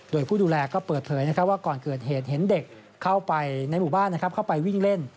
โดยผู้ดูแลก็เปิดเผยว่าก่อนเกิดเหตุเห็นเด็กเข้าไปในหมู่บ้านเข้าไปวิ่งเล่น